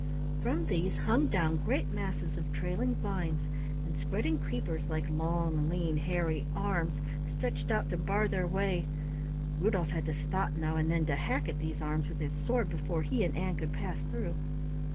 From these hung down great masses of trailing vines and spreading creepers like long, lean, hairy arms stretched out to bar their way. Rudolf had to stop now and then to hack at these arms with his sword before he and Ann could pass through.